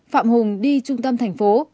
phạm hùng đi trung tâm thành phố